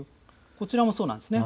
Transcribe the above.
こちらもそうなんですね。